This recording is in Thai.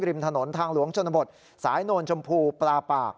ริมถนนทางหลวงชนบทสายโนนชมพูปลาปาก